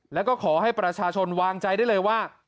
แล้วก็ขอให้ประชาชนวางใจได้เลยว่า